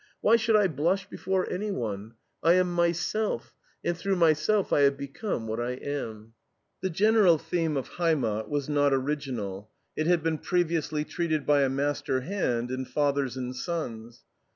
Why should I blush before anyone? I am myself, and through myself I have become what I am." The general theme of HEIMAT was not original. It had been previously treated by a master hand in FATHERS AND SONS.